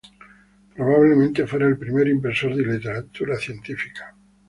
Probablemente fuera el primer impresor de literatura científica.